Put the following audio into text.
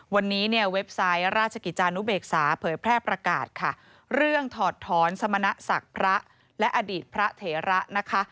วันนี้เนี่ยเว็บไซต์ราชกิจจานุเบกษาเผยแพร่ประกาศค่ะเรื่องถอดถอนสมณศักดิ์พระและอดีตพระเถระนะคะ